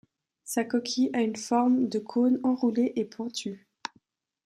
Sa coquille a une forme de cône enroulé et pointue.